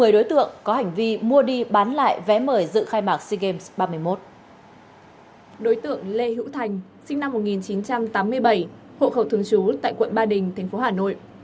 đối tượng lê hữu thành sinh năm một nghìn chín trăm tám mươi bảy hộ khẩu thường trú tại quận ba đình tp hà nội